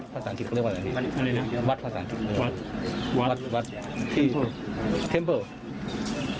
แปลก